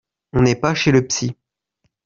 On n’est pas chez le psy